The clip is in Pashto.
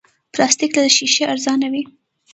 پلاستيک له شیشې ارزانه وي.